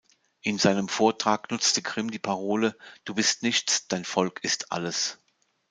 In seinem Vortrag nutzte Grimm die Parole „Du bist nichts, dein Volk ist alles“.